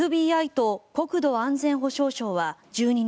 ＦＢＩと国土安全保障省は１２日